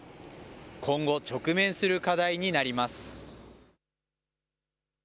今後、直面する課題になります。